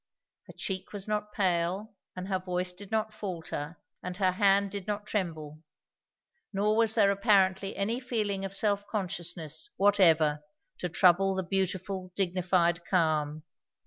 Her cheek was not pale, and her voice did not falter, and her hand did not tremble; nor was there apparently any feeling of self consciousness whatever to trouble the beautiful dignified calm.